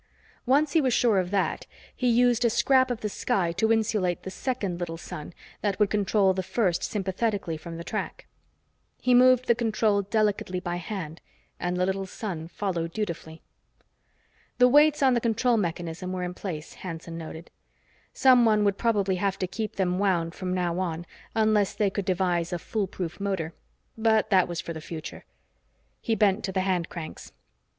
Once he was sure of that, he used a scrap of the sky to insulate the second little sun that would control the first sympathetically from the track. He moved the control delicately by hand, and the little sun followed dutifully. The weights on the control mechanism were in place, Hanson noted. Someone would probably have to keep them wound from now on, unless they could devise a foolproof motor. But that was for the future. He bent to the hand cranks.